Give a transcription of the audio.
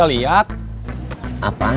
gak usah dipamerin